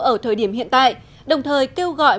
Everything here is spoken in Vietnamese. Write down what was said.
ở thời điểm hiện tại đồng thời kêu gọi